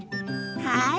はい。